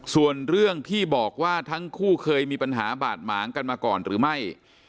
ส่วนเรื่องที่บอกว่าทั้งคู่เคยมีปัญหาบาดหมางกันมาก่อนหรือไม่